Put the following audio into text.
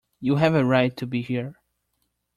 You have a right to be here.